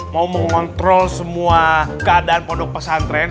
mau mengontrol semua keadaan pondok pesantren